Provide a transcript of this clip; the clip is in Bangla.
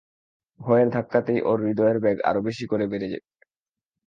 ভয়ের ধাক্কাতেই ওর হৃদয়ের বেগ আরো বেশি করে বেড়ে উঠবে।